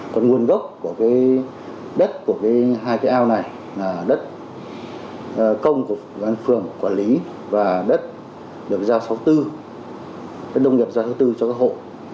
còn nguồn gốc của cái đất của cái hai cái ao này là đất công của văn phường quản lý và đất được giao sáu tư đất đông nghiệp giao sáu tư cho các hộ